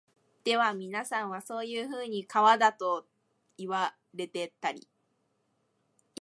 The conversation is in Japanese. ではみなさんは、そういうふうに川だと云いわれたり、